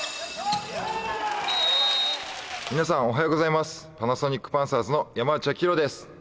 皆さん、おはようございますパナソニックパンサーズの山内晶大です。